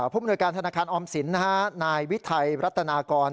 ผู้มนวยการธนาคารออมสินนายวิทัยรัฐนากร